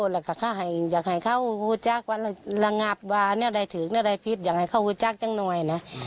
ลังอับว่าเนี่ยได้ถือกเดียวได้พิสคุยกันจังหน่อยนะ